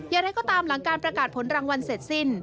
อย่างไรก็ตามหลังการประกาศผลรางวัลเสร็จสิ้น